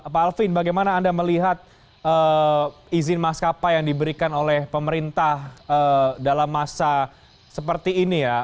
pak alvin bagaimana anda melihat izin maskapai yang diberikan oleh pemerintah dalam masa seperti ini ya